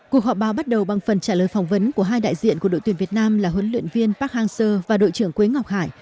cuộc họp báo bắt đầu bằng phần trả lời phỏng vấn của hai đại diện của đội tuyển việt nam là huấn luyện viên park hang seo và đội trưởng quế ngọc hải